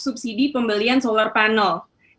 subsidi pembelian solar panel